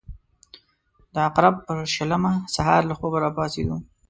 د عقرب پر شلمه سهار له خوبه راپاڅېدو.